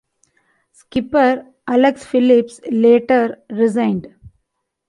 Skipper Alex Philips later resigned.